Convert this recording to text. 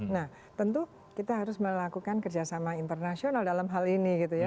nah tentu kita harus melakukan kerjasama internasional dalam hal ini gitu ya